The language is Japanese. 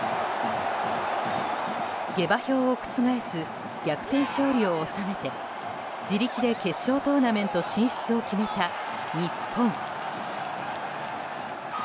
下馬評を覆す逆転勝利を収めて自力で決勝トーナメント進出を決めた、日本。